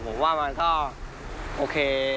ผมว่ามันก็โอเค